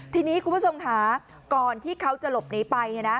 ทีนี้คุณผู้ชมค่ะก่อนที่เขาจะหลบหนีไป